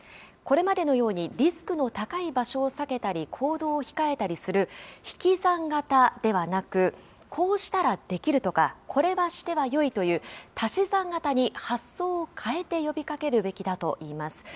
これまでのようにリスクの高い場所を避けたり行動を控えたりする、引き算型ではなく、こうしたらできるとか、これはしてはよいという足し算型に発想を変えて呼びかけるべきだといいます。